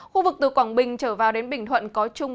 khu vực từ quảng bình trở vào đến bình thuận